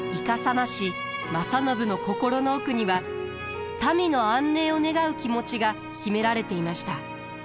師正信の心の奥には民の安寧を願う気持ちが秘められていました。